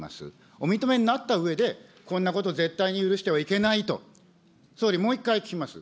お認めになったうえで、こんなこと絶対に許してはいけないと、総理、もう一回聞きます。